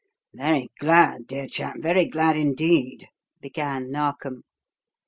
"Very glad, dear chap; very glad, indeed," began Narkom.